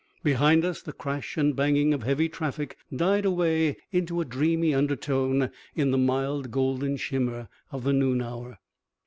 Behind us the crash and banging of heavy traffic died away into a dreamy undertone in the mild golden shimmer of the noon hour.